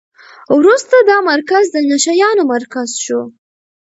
وروسته دا مرکز د نشه یانو مرکز شو.